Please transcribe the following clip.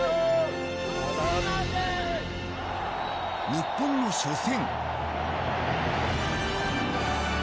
日本の初戦。